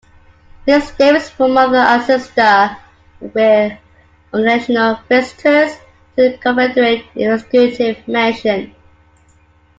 Mrs. Davis' mother and sister were occasional visitors to the Confederate executive mansion.